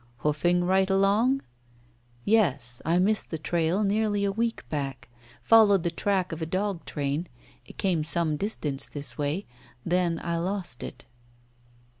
"Hoofing right along?" "Yes. I missed the trail nearly a week back. Followed the track of a dog train. It came some distance this way. Then I lost it."